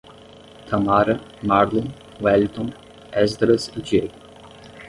Tamara, Marlon, Welligton, Esdras e Diego